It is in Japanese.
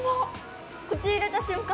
口入れた瞬間